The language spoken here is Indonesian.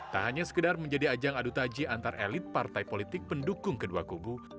tak hanya sekedar menjadi ajang adu taji antar elit partai politik pendukung kedua kubu